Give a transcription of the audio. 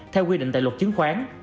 theo quy định tại luật chứng khoán